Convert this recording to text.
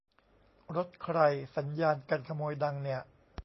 รถใครสัญญาณกันขโมยดังเนี่ย